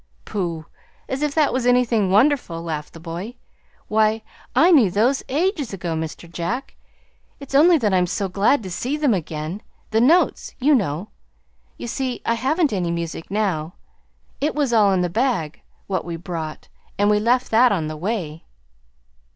"Pooh! as if that was anything wonderful," laughed the boy. "Why, I knew those ages ago, Mr. Jack. It's only that I'm so glad to see them again the notes, you know. You see, I haven't any music now. It was all in the bag (what we brought), and we left that on the way."